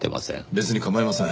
別に構いません。